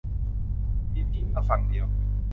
มีที่นั่งฝั่งเดียว